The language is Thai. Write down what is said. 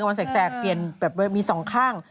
กับวันแสดเปลี่ยนแบบมี๒ข้าง